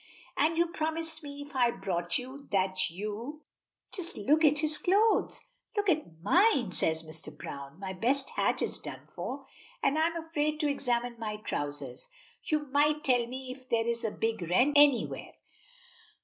And you promised me if I brought you, that you Just look at his clothes!" "Look at mine!" says Mr. Browne. "My best hat is done for, and I'm afraid to examine my trousers. You might tell me if there is a big rent anywhere.